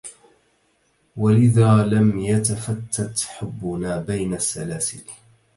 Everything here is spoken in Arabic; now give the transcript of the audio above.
ولذا، لم يتفتَّتْ حبنا بين السلاسلْ